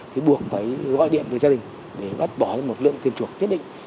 thì buộc phải gọi điện với gia đình để bắt bỏ một lượng tiền chuộc tiết định